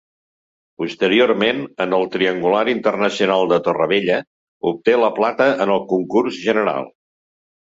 Posteriorment, en el Triangular Internacional de Torrevella obté la plata en el concurs general.